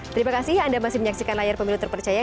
terima kasih anda masih menyaksikan layar pemilu terpercaya